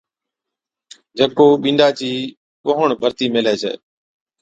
جڪو بِينڏا چِي ٻوھڻ ڀرتِي ميلھي ڇَي